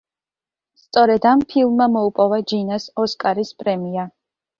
სწორედ ამ ფილმმა მოუპოვა ჯინას ოსკარის პრემია.